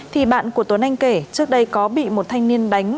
thì bạn của tuấn anh kể trước đây có bị một thanh niên đánh